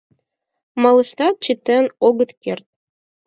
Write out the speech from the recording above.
Молыштат чытен огыт керт.